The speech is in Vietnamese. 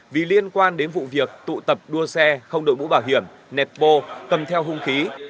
vì liên quan đến vụ việc tụ tập đua xe không đội mũ bảo hiểm nẹt bô cầm theo hung khí